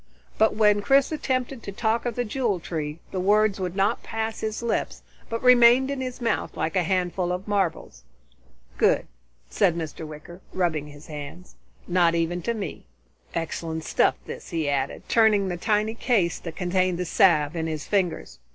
But when Chris attempted to talk of the Jewel Tree, the words would not pass his lips but remained in his mouth like a handful of marbles. "Good," said Mr. Wicker, rubbing his hands. "Not even to me. Excellent stuff, this," he added, turning the tiny case that contained the salve in his fingers.